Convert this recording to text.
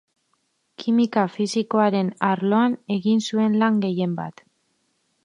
Kimika fisikoaren arloan egin zuen lan gehienbat.